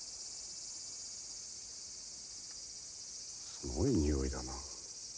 すごい臭いだな。